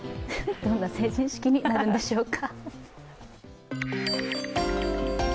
どんな成人式になるんでしょうか。